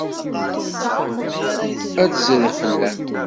Ad d-zriɣ fell-am.